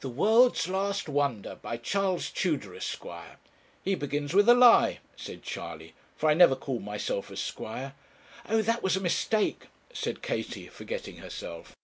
"'The World's Last Wonder,' by Charles Tudor, Esq." 'He begins with a lie,' said Charley, 'for I never called myself Esquire.' 'Oh, that was a mistake,' said Katie, forgetting herself.